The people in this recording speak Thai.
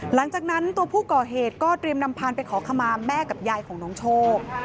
หลังจากนั้นตัวผู้ก่อเหตุก็เตรียมนำพานไปขอขมาแม่กับยายของน้องโชค